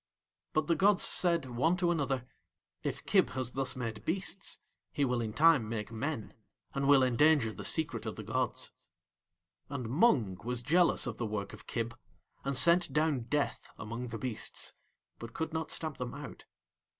But the gods said one to another: "If Kib has thus made beasts he will in time make Men, and will endanger the Secret of the gods." And Mung was jealous of the work of Kib, and sent down Death among the beasts, but could not stamp them out.